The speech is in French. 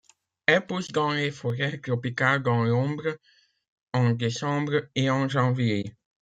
Elle pousse dans les forêts tropicales dans l’ombre, en décembre et en janvier.